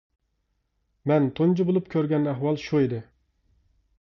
مەن تۇنجى بولۇپ كۆرگەن ئەھۋال شۇ ئىدى.